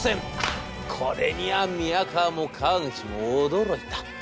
これには宮河も川口も驚いた！